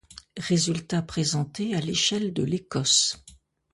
Résultats présentés à l'échelle de l'Écosse.